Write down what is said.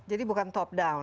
jadi bukan top down ya